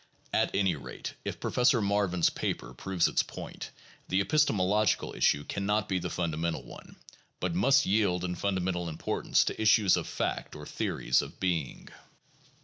At any rate, if Professor Marvin 's paper proves its point, the epistemologic issue can not be the funda mental one, but must yield in fundamental importance to issues of fact or theories of being.